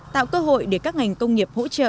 tạo cơ hội để các ngành công nghiệp hỗ trợ